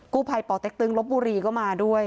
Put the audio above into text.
กู้ภัยป่อเต็กตึงลบบุรีก็มาด้วย